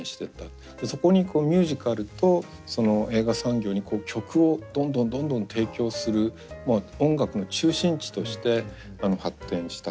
そこにミュージカルと映画産業に曲をどんどんどんどん提供する音楽の中心地として発展した。